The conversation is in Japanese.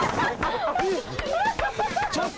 ちょっと！